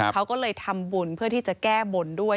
เขาก็เลยทำบุญเพื่อที่จะแก้บนด้วย